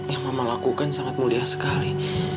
yang mama lakukan sangat mulia sekali